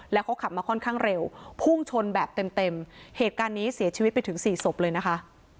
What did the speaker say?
แล้วเขาขับมาค่อนข้างเร็วพุ่งชนแบบเต็มเต็มเหตุการณ์นี้เสียชีวิตไปถึงสี่ศพเลยนะคะ